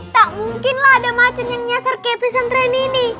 tak mungkin lah ada macan yang nyasar kayak pisang tren ini